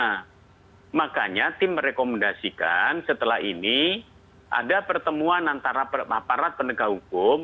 nah makanya tim merekomendasikan setelah ini ada pertemuan antara aparat penegak hukum